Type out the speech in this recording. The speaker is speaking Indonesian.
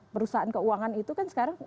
perusahaan keuangan itu kan sekarang